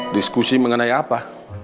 diskusi mengenai apa